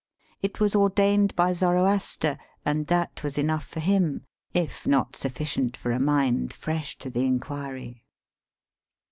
It was ordained by Zoroaster, and that was enough for him, if not sufficient for a mind fresh to the inquiry.